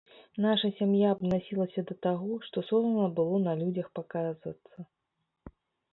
Наша сям'я абнасілася да таго, што сорамна было на людзях паказвацца.